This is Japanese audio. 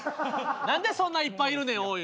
何でそんないっぱいいるねんおい。